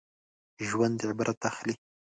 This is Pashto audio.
ژوندي عبرت اخلي